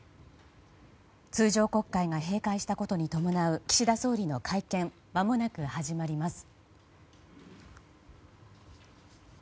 通常国会が閉会したことに伴う岸田総理の会見まもなく始まります。